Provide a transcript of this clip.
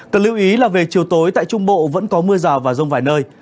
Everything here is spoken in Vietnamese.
cần lưu ý là về chiều tối tại trung bộ vẫn có mưa rào và rông vài nơi